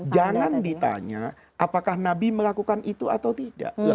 jangan ditanya apakah nabi melakukan itu atau tidak